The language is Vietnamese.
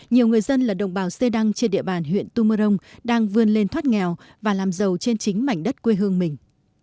nhiều người dân là đồng bào xê đăng trên địa bàn huyện tumorong đang vươn lên thoát nghèo và làm giàu trên chính mảnh đất quê hương mình